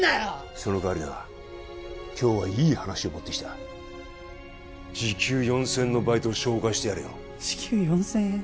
その代わりな今日はいい話を持ってきた時給４０００円のバイトを紹介してやるよ時給４０００円？